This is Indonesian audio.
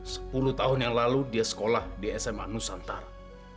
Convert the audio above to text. sepuluh tahun yang lalu dia sekolah di sma nusantara